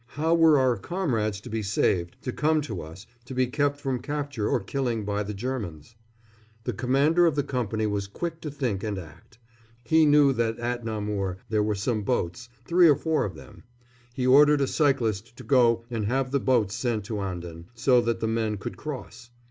How were our comrades to be saved, to come to us, to be kept from capture or killing by the Germans? The commander of the company was quick to think and act. He knew that at Namur there were some boats, three or four of them. He ordered a cyclist to go and have the boats sent to Anden, so that the men could cross.